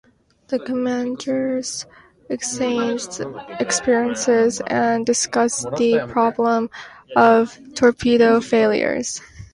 The commanders exchanged experiences and discussed the problem of torpedo failures.